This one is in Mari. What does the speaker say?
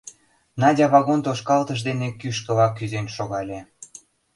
Надя вагон тошкалтыш дене кӱшкыла кӱзен шогале.